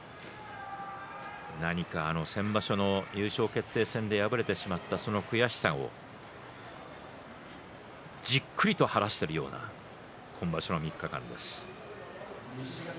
何か、先場所の優勝決定戦で敗れてしまったその悔しさをじっくりと晴らしているような今場所の３日間です。